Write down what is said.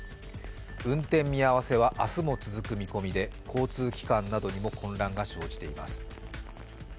運転見合せは明日も続く見込みで交通機関などにも混乱が生じています。